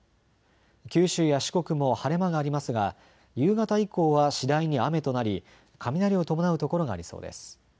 九州や四国も晴れ間がありますが夕方以降は次第に雨となり雷を伴う所がありそうです。